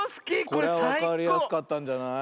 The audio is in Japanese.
これはわかりやすかったんじゃない？